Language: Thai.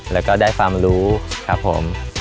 แล้วก็ได้ความรู้ครับผม